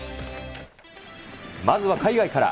まずは海外から。